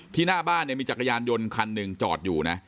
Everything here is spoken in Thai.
หน้าบ้านเนี่ยมีจักรยานยนต์คันหนึ่งจอดอยู่นะ